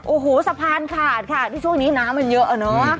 โอ้โหสะพานขาดค่ะที่ช่วงนี้น้ำมันเยอะอะเนาะ